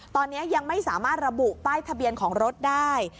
ตอนนี้ยังไม่สามารถระบุป้ายทะเบียนของรถได้